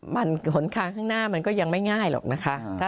มันหนทางข้างหน้ามันก็ยังไม่ง่ายหรอกนะคะ